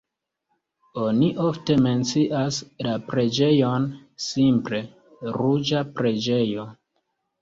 Oni ofte mencias la preĝejon simple "ruĝa preĝejo".